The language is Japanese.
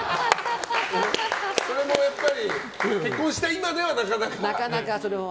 それも結婚した今ではなかなか？